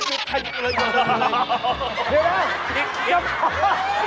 ที่ไหน